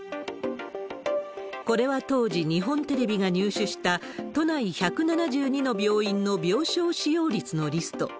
これは、当時日本テレビが入手した、都内１７２の病院の病床使用率のリスト。